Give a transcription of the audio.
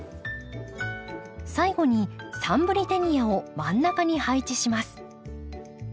最後にサンブリテニアを真ん中に配置します。